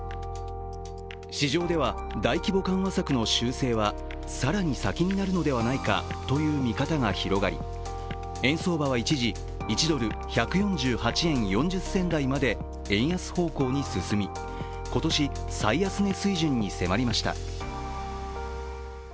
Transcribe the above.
市場では、大規模緩和策の修正は更に先になるのではないかという見方が広がり円相場は一時１ドル＝１４８円４０銭台まで円安方向に進み今年最安値水準に迫りました。